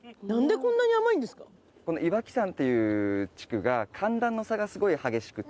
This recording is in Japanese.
この岩木山っていう地区が寒暖の差がすごい激しくて。